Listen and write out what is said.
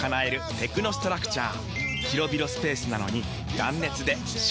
テクノストラクチャー！